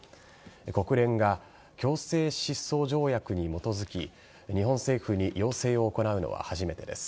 国連が強制失踪条約に基づき日本政府に要請を行うのは初めてです。